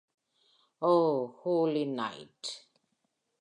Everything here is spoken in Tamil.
O holy night.